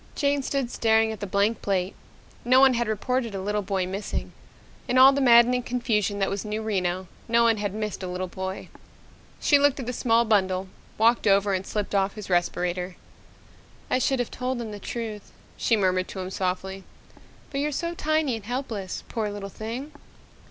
Jane stood staring at the blank plate. No one had reported a little boy missing. In all the maddening confusion that was New Reno, no one had missed a little boy. She looked at the small bundle, walked over and slipped off his respirator. "I should have told the truth," she murmured to him softly. "But you're so tiny and helpless. Poor little thing!"